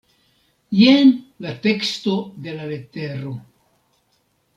Jen la teksto de la letero.